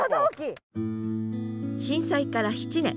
震災から７年。